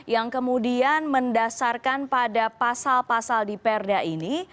yang kemudian mendasarkan pada pasal pasal di perda ini